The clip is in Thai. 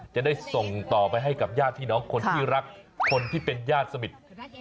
จะได้ส่งต่อไปให้กับญาติพี่น้องคนที่รักคนที่เป็นญาติสนิท